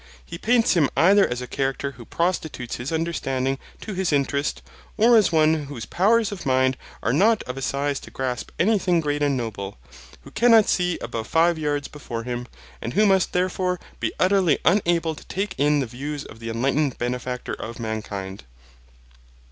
He paints him either as a character who prostitutes his understanding to his interest, or as one whose powers of mind are not of a size to grasp any thing great and noble, who cannot see above five yards before him, and who must therefore be utterly unable to take in the views of the enlightened benefactor of mankind.